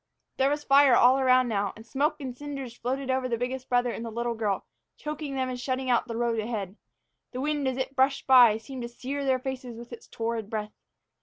There was fire all around now, and smoke and cinders floated over the biggest brother and the little girl, choking them and shutting out the road ahead. The wind, as it brushed by, seemed to sear their faces with its torrid breath.